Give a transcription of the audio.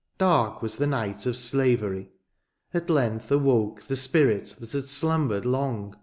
Dark was the night of slavery ;— At length awoke The spirit that had slumbered long.